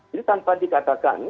jadi tanpa dikatakan